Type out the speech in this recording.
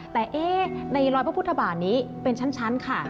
แต่ในรอยพระพุทธบาทนี้เป็นชั้นค่ะ